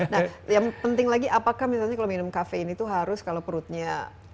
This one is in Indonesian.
nah yang penting lagi apakah misalnya kalau minum kafein itu harus kalau perutnya